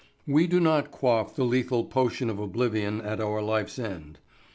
We do not quaff the lethe potion of oblivion at our life's end.